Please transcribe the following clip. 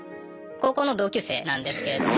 高校の同級生なんですけれども。